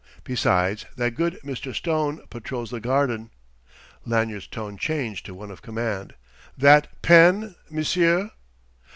Besides, that good Mr. Stone patrols the garden." Lanyard's tone changed to one of command. "That pen, monsieur!"